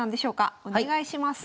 お願いします。